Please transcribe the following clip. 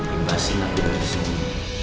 ibasin aku dari sini